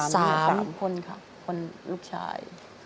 สามคนค่ะคนลูกชาย